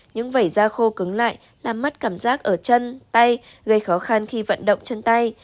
những vẩy da khô cứng lại làm mất cảm giác ở chân tay gây khó khăn khi vận động chân tay